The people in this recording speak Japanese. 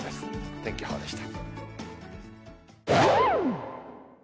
天気予報でした。